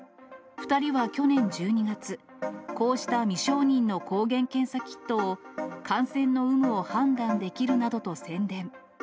２人は去年１２月、こうした未承認の抗原検査キットを、感染の有無を判断できるなどと宣伝。